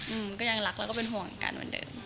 อืมก็ยังรักแล้วก็เป็นห่วงกันเหมือนเดิม